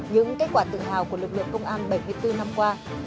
những kết quả tự hào của lực lượng công an bảy mươi bốn năm qua